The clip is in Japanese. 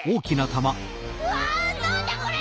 うわなんだこれ！